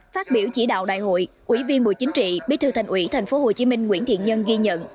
phát biểu chỉ đạo đại hội ủy viên bộ chính trị bí thư thành ủy tp hcm nguyễn thiện nhân ghi nhận